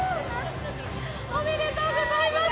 おめでとうございます。